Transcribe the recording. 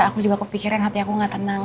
aku juga kepikiran hati aku gak tenang